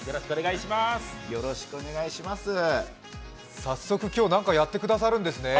早速、今日何かやってくださるんですね？